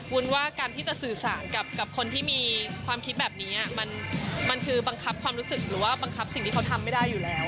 วุ้นว่าการที่จะสื่อสารกับคนที่มีความคิดแบบนี้มันคือบังคับความรู้สึกหรือว่าบังคับสิ่งที่เขาทำไม่ได้อยู่แล้ว